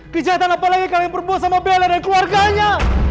kejahatan apalagi yang kalian perbuah sama bela dan keluarganya